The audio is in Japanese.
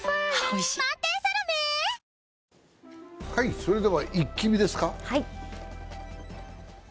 それでは「イッキ見」ですか。